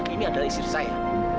ini adalah istri saya